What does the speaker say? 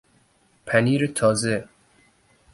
پنیر تازه